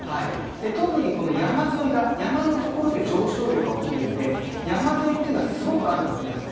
特にこの山の所で上昇流が起きるので山沿いはすごく雨が降ります。